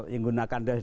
yang digunakan dari